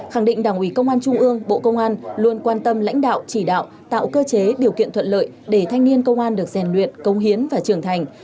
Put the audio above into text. khẳng định đảng ủy công an trung ương bộ công an luôn quan tâm lãnh đạo chỉ đạo tạo cơ chế điều kiện thuận lợi để thanh niên công an được rèn luyện công hiến và trưởng thành